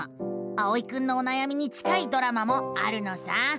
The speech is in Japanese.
あおいくんのおなやみに近いドラマもあるのさ。